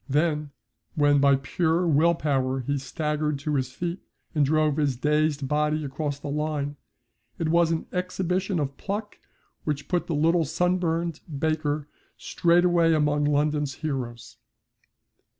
Then when by pure will power he staggered to his feet and drove his dazed body across the line, it was an exhibition of pluck which put the little sunburned baker straightway among London's heroes.